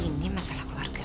ini masalah keluarga